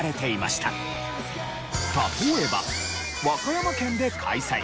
例えば和歌山県で開催